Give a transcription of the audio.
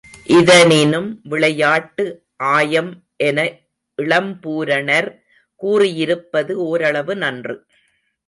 இதனினும் விளையாட்டு ஆயம் என இளம்பூரணர் கூறியிருப்பது ஓரளவு நன்று.